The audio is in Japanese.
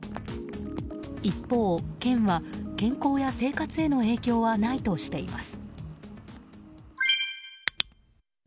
一方、県は健康や生活への影響はないとしています。